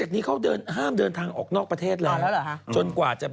นี้ห้ามเดินทางออกไม่ออกประเทศเลย